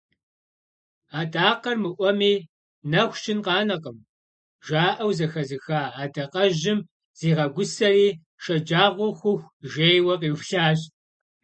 «Адакъэр мыӏуэми нэху щын къанэкъым» жаӏэу зэхэзыха адэкъэжьым зигъэгусэри шэджагъуэ хъуху жейуэ къиублащ.